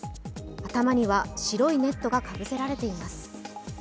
頭には白いネットがかぶせられています。